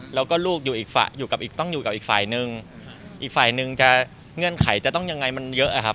แล้วก็ลูกต้องอยู่กับอีกฝ่ายนึงอีกฝ่ายนึงจะเงื่อนไขจะต้องยังไงมันเยอะอะครับ